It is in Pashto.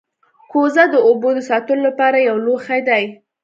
کوزه د اوبو د ساتلو لپاره یو لوښی دی